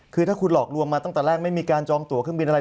คือถ้าคุณหลอกลวงมาตั้งแต่แรกไม่มีการจองตัวเครื่องบินอะไร